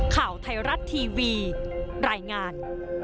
ข่าวไทยรัฐทีวีรายงาน